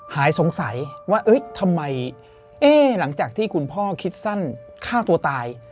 หายสงสัยว่าทำไมหลังจากที่คุณพ่อคิดสั้นฆ่าตัวตาย